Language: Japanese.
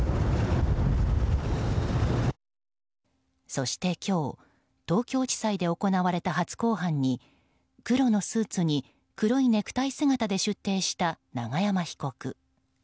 そして今日東京地裁で行われた初公判に黒のスーツに黒いネクタイ姿で出廷した永山被告。